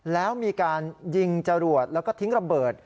แล้วมีการยิงจรวดแล้วก็ทิ้งระเบิด